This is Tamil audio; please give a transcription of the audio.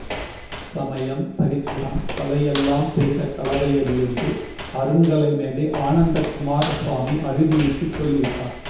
சமயம், சரித்திரம், கலை எல்லாம் சேர்ந்த கலவை அது என்று அருங்கலை மேதை ஆனந்தக் குமாரசுவாமி அறுதியிட்டுச் சொல்லிவிட்டார்.